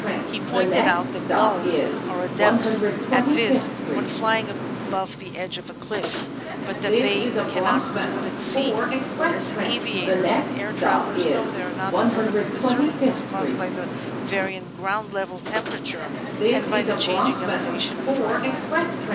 He pointed out that gulls are adepts at this when flying above the edge of a cliff, but that they cannot do it at sea, where, as aviators and air travellers know, there are not the vertical disturbances caused by the varying ground level temperature and by the changing elevation of dry land.